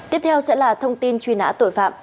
tiếp theo sẽ là thông tin truy nã tội phạm